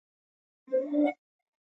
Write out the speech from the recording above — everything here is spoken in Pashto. کوچیان د افغانانو د ژوند طرز اغېزمنوي.